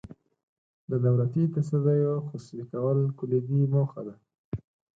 د دولتي تصدیو خصوصي کول کلیدي موخه ده.